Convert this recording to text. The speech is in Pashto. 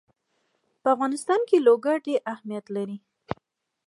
په افغانستان کې لوگر ډېر اهمیت لري.